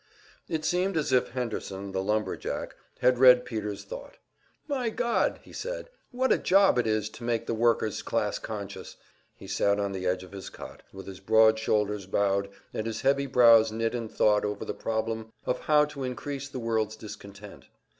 It seemed as if Henderson, the lumber jack, had read Peter's thought. "My God!" he said. "What a job it is to make the workers class conscious!" He sat on the edge of his cot, with his broad shoulders bowed and his heavy brows knit in thought over the problem of how to increase the world's discontent.